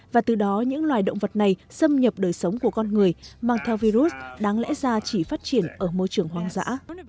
và từ đó những loài động vật này xâm nhập đời sống của con người mang theo virus đáng lẽ ra chỉ phát triển ở môi trường hoang dã